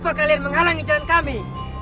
apakah kalian menghalangi jalan kami